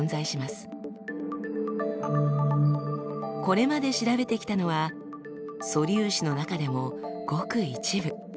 これまで調べてきたのは素粒子の中でもごく一部。